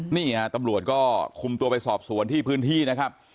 นี่ฮะตำรวจก็คุมตัวไปสอบสวนที่พื้นที่นะครับ